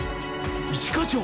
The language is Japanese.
一課長！